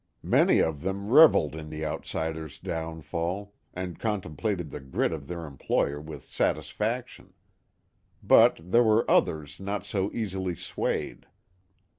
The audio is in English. Many of them reveled in the outsider's downfall, and contemplated the grit of their employer with satisfaction. But there were others not so easily swayed.